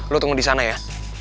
lu tunggu di sana ya